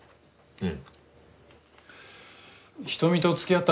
うん。